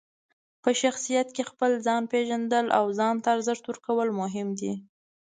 په شخصیت کې خپل ځان پېژندل او ځان ته ارزښت ورکول مهم دي.